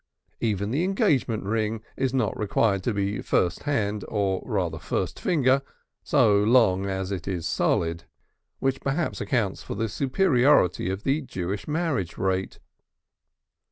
Even the engagement ring is not required to be first hand or should it be first finger? so long as it is solid; which perhaps accounts for the superiority of the Jewish marriage rate.